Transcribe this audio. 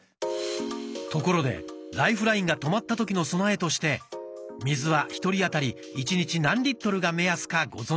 ところでライフラインが止まった時の備えとして水は１人あたり１日何が目安かご存じですか？